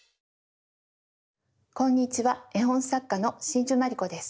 こんにちは絵本作家の真珠まりこです。